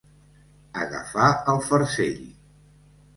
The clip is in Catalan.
Agafar el farcell.